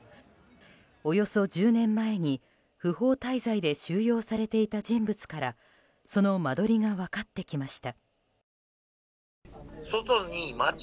およそ１０年前に、不法滞在で収容されていた人物からその間取りが分かってきました。